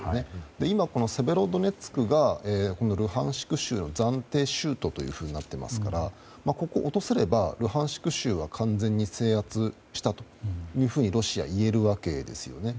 今、セベロドネツクがルハンシク州暫定州都となっていますからここを落とせればルハンシク州は完全に制圧したというふうにロシアは言えるわけですよね。